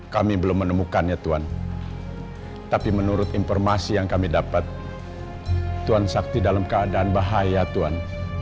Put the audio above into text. kami belum menemukannya tuan tapi menurut informasi yang kami dapat tuan sakti dalam keadaan bahaya tuhan